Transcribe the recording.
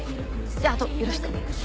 じゃああとよろしく。